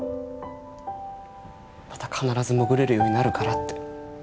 また必ず潜れるようになるからって。